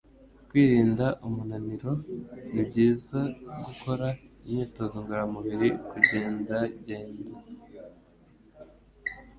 Kwirinda umunaniro nibyizagukora imyitozo ngororamubiri :kugendagenda